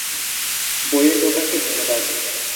বইয়ের দোকানকে ধন্যবাদ।